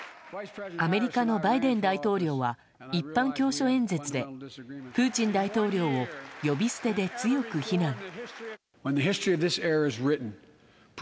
アメリカのバイデン大統領は一般教書演説でプーチン大統領を呼び捨てで強く非難。